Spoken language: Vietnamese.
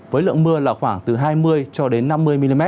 với lượng mưa là khoảng từ hai mươi cho đến năm mươi mm